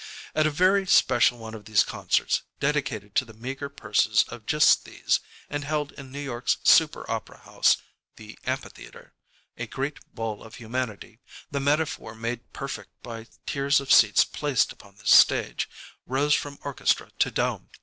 At a very special one of these concerts, dedicated to the meager purses of just these, and held in New York's super opera house, the Amphitheater, a great bowl of humanity, the metaphor made perfect by tiers of seats placed upon the stage, rose from orchestra to dome.